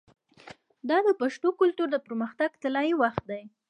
دا د پښتو کلتور د پرمختګ طلایی وخت دی.